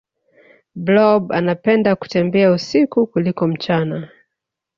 blob anapenda kutembea usiku kuliko mchana